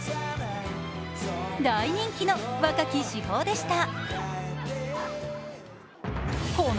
大人気の若き至宝でした。